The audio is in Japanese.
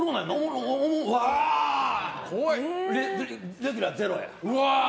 レギュラーゼロや。